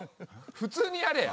普通にやれや。